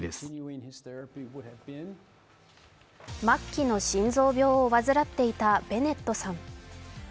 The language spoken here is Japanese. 末期の心臓病を患っていたベネットさん。